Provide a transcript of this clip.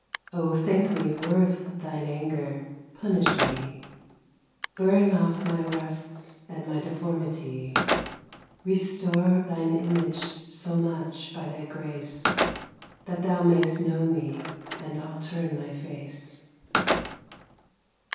O thinke mee worth thine anger, punish mee. Burne off my rusts, and my deformity, Restore thine Image, so much, by thy grace, That thou may'st know mee, and I'll turne my face.